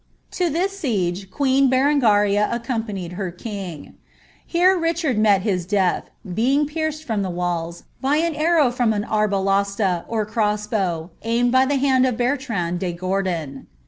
To this siege quan Berengaria sccoropauied the king. Here Richard met his death, bwf pierced from the walU, by an arrow from an arbalista, or rrocs bov, aimed by the hand of Bcrtiaud de Gordon.'